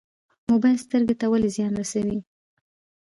موبایل سترګو ته ولې زیان رسوي؟